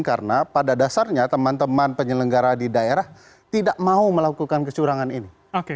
karena pada dasarnya teman teman penyelenggara di daerah tidak mau melakukan kesurangan ini